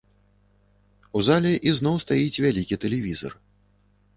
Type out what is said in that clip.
У зале ізноў стаіць вялікі тэлевізар.